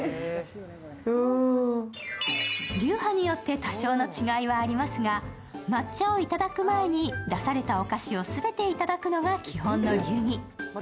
流派によって多少の違いはありますが、抹茶をいただく前に出されたお菓子をすべていただくのが基本の流儀。